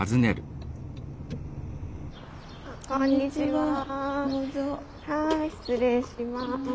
はい失礼します。